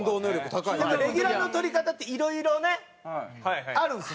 レギュラーの取り方って色々ねあるんですよ。